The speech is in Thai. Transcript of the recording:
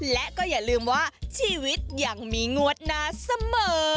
และก็อย่าลืมว่าชีวิตยังมีงวดหน้าเสมอ